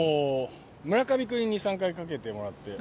村上君に３回かけてもらって。